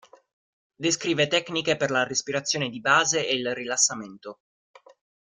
Descrive tecniche per la respirazione di base e il rilassamento.